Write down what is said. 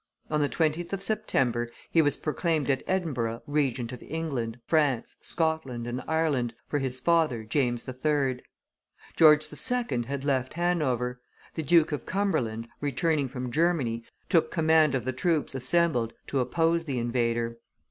On the 20th of September he was proclaimed at Edinburgh Regent of England, France, Scotland, and Ireland, for his father, King James III. George II. had left Hanover; the Duke of Cumberland, returning from Germany, took the command of the troops assembled to oppose the invader.